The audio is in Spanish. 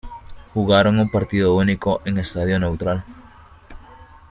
Jugaron a partido único en estadio neutral.